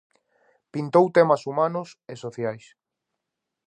Pintou temas humanos e sociais.